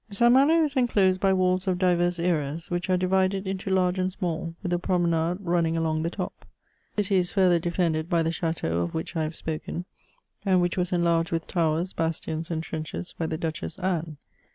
St. Malo is enclosed by walls of divers eras, which are divided into large and small, with a promenade running along the top. The city is further defended by the chateau of which I have spoken, and which was enlarged with towers, bastions, and trenches by the Duchess Anne.